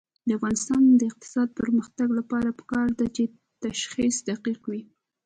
د افغانستان د اقتصادي پرمختګ لپاره پکار ده چې تشخیص دقیق وي.